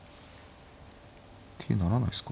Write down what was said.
桂成らないですか。